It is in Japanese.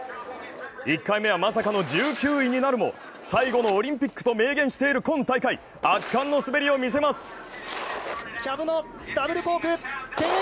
１回目はまさかの１９位になるも最後のオリンピックと明言している今大会、圧巻の滑りを見せます。